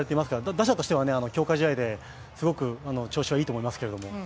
打者としては強化試合ですごく調子はいいと思いますけど。